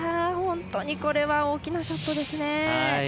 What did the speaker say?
本当にこれは大きなショットですね。